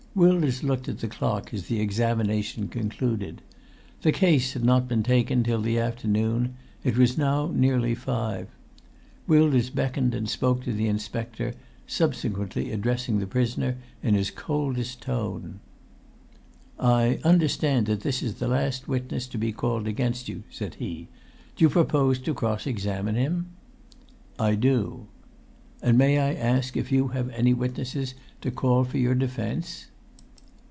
Wilders looked at the clock as the examination[Pg 160] concluded. The case had not been taken till the afternoon; it was now nearly five. Wilders beckoned and spoke to the inspector, subsequently addressing the prisoner in his coldest tone. "I understand that this is the last witness to be called against you," said he. "Do you propose to cross examine him?" "I do." "And may I ask if you have any witnesses to call for your defence?"